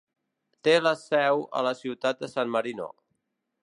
Té la seu a la Ciutat de San Marino.